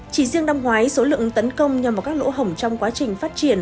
chỉ riêng năm ngoái số lượng tấn công nhằm vào các lỗ hổng trong quá trình phát triển